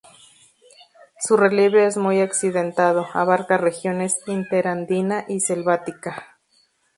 Su relieve es muy accidentado, abarca regiones interandina y selvática.